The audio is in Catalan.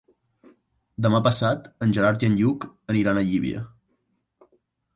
Demà passat en Gerard i en Lluc aniran a Llívia.